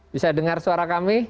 bisa dengar suara kami